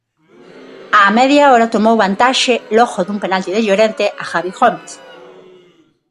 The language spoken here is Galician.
Á media hora tomou vantaxe logo dun penalti de Llorente a Javi Gómez.